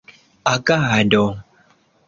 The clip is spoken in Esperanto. agado